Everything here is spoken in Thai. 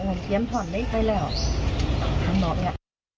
มันเตรียมท่อนได้ไกลแล้วมันบอกอย่างนั้น